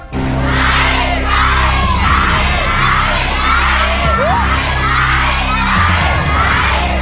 ใช้ใช้ใช้ใช้ใช้